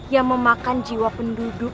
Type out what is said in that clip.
yang memakan jiwa penduduk